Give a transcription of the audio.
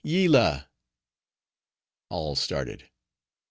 Yillah." All started.